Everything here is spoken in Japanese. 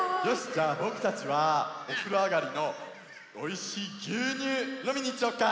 じゃあぼくたちはおふろあがりのおいしいぎゅうにゅうのみにいっちゃおうか？